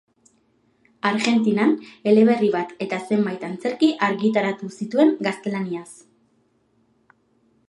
Argentinan eleberri bat eta zenbait antzerki argitaratu zituen gaztelaniaz.